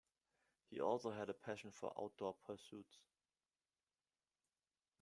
He also had a passion for outdoor pursuits.